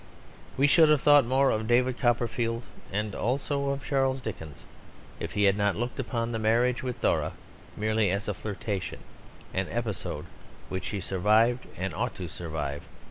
We should have thought more of David Copperfield (and also of Charles Dickens) if he had not looked upon the marriage with Dora merely as a flirtation, an episode which he survived and ought to survive.